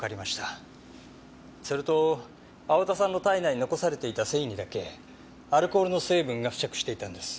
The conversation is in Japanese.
それと青田さんの体内に残されていた繊維にだけアルコールの成分が付着していたんです。